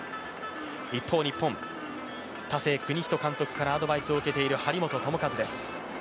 一方、日本、田勢邦史監督からアドバイスを受けている張本智和です。